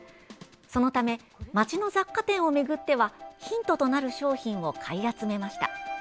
そのため街の雑貨店を巡ってはヒントとなる商品を買い集めました。